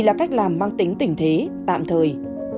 là cách làm mang tính tỉnh thế tạm thời